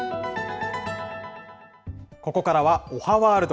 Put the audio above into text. ここからはおはワールド。